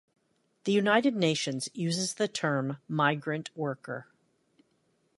The United Nations uses the term migrant worker.